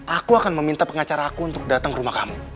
aku akan meminta pengacara aku untuk datang ke rumah kamu